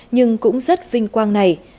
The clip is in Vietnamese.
nhưng cũng rất vinh quang này